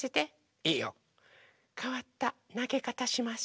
いいよ。かわったなげかたします。